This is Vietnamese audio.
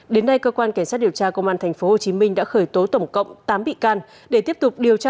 đến nay cơ quan cảnh sát điều tra công an tp hcm đã khởi tố tổng cộng tám bị can để tiếp tục điều tra